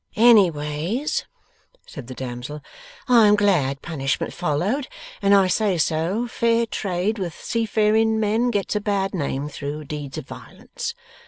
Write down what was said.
'Anyways,' said the damsel, 'I am glad punishment followed, and I say so. Fair trade with seafaring men gets a bad name through deeds of violence.